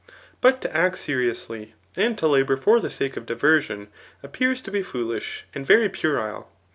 But to act seriously, and to labour for the sake of diversion, appears to be foolish and very puerile.